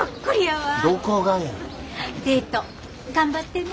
デート頑張ってな。